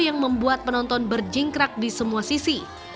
yang membuat penonton berjingkrak di semua sisi